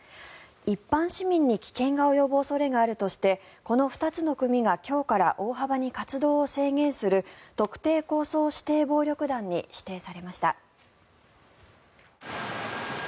一般市民に危険が及ぶ恐れがあるとしてこの２つの組が今日から大幅に活動を制限する特定抗争指定暴力団に指定されました。